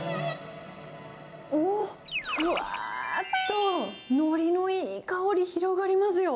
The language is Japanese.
うおー、ふわっとのりのいい香り広がりますよ。